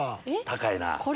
高いな。